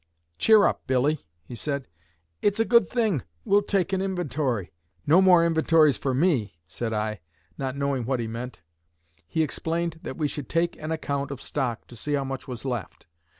'Cheer up, Billy,' he said. 'It's a good thing. We'll take an inventory.' 'No more inventories for me,' said I, not knowing what he meant. He explained that we should take an account of stock to see how much was left.